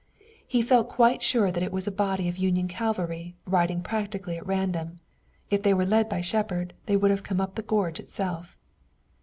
He felt quite sure that it was a body of Union cavalry riding practically at random if they were led by Shepard they would have come up the gorge itself.